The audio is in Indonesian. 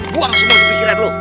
buang semua kepikiran lo